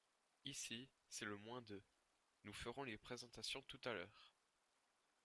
Ici, c’est le moins deux. Nous ferons les présentations tout à l’heure.